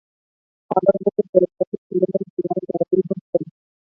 هغه هغې ته د صادق ګلونه ګلان ډالۍ هم کړل.